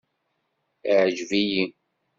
Iɛǧeb-iyi.